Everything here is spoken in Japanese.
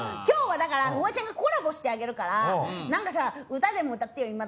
今日はだからフワちゃんがコラボしてあげるからなんかさ歌でも歌ってよ